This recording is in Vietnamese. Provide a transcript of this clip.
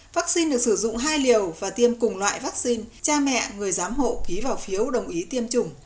vaccine được sử dụng hai liều và tiêm cùng loại vaccine cha mẹ người giám hộ ký vào phiếu đồng ý tiêm chủng